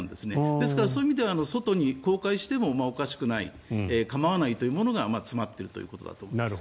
ですから、そういう意味では外に公開してもおかしくない構わないものが詰まっているということだと思います。